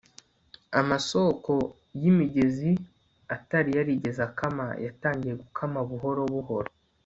amasoko yimigezi atari yarigeze akama yatangiye gukama buhoro buhoro